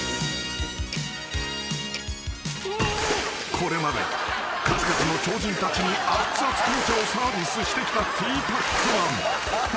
［これまで数々の超人たちにあっつあつ紅茶をサービスしてきたティーパックマン］